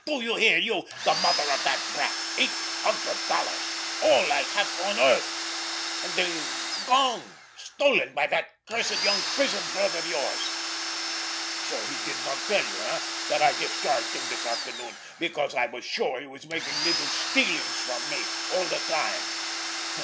"Do you hear, you, the mother of that brat? Eight hundred dollars! All I have on earth! And it is gone! Stolen by that cursed young prison bird of yours! So he did not tell you, eh, that I discharged him this afternoon because I was sure he was making little stealings from me all the time?